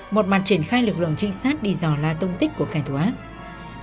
một màn triển khai lực lượng trinh sát đi dò la tông tích của công an địa phương